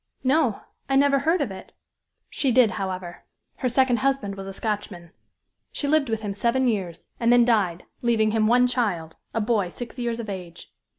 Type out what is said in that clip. "No I never heard of it." "She did, however her second husband was a Scotchman. She lived with him seven years, and then died, leaving him one child, a boy six years of age.